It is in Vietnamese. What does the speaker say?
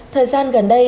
thời gian gần đây